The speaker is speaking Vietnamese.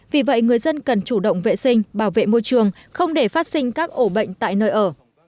vì vậy người dân cần chủ động vệ sinh bảo vệ môi trường không để phát sinh các ổ bệnh tại nơi ở